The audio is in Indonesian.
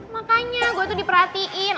makanya gue tuh diperhatiin